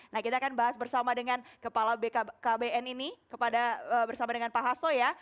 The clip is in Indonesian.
nah kita akan bahas bersama dengan kepala bkkbn ini bersama dengan pak hasto ya